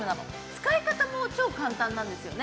使い方も超簡単なんです。